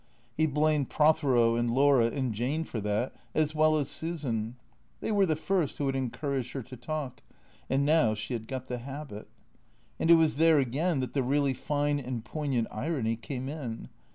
He blamed Prothero and Laura and Jane for that, as well as Susan. They were the first who had encouraged her to talk, and now she had got the habit. And it was there again that the really fine and poignant irony came in.